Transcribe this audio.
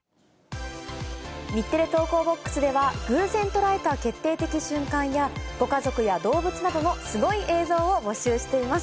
日テレ投稿ボックスでは、偶然捉えた決定的瞬間やご家族や動物などのすごい映像を募集しています。